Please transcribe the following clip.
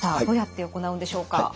どうやって行うんでしょうか？